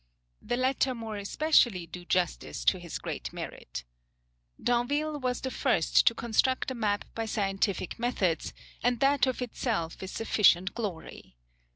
The latter more especially do justice to his great merit. D'Anville was the first to construct a map by scientific methods, and that of itself is sufficient glory.